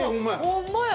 ホンマや。